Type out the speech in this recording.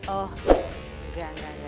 oh enggak enggak enggak